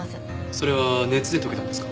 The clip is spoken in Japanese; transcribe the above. それは熱で溶けたんですか？